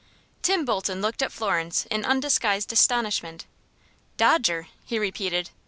Tim Bolton looked at Florence in undisguised astonishment. "Dodger!" he repeated.